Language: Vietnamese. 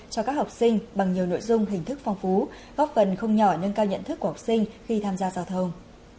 cho các học sinh bằng nhiều nội dung hình thức phong phú góp phần không nhỏ nâng cao nhận thức của học sinh khi tham gia giao thông